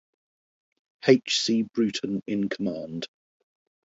H. C. Bruton in command.